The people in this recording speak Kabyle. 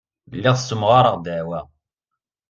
Lliɣ ssemɣareɣ ddeɛwa.